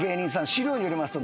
資料によりますと。